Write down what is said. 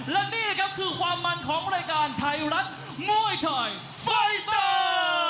และนี่ก็คือความมั่นของเรากันไทยรันมวยไทยไฟเตอร์